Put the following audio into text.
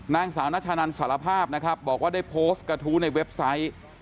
นางสาวนัชนันสารภาพนะครับบอกว่าได้โพสต์กระทู้ในเว็บไซต์